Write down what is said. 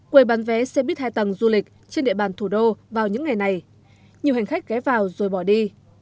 quầy bán vé xe buýt hai tầng du lịch trên địa bàn thủ đô vào những ngày này nhiều hành khách ghé vào rồi bỏ đi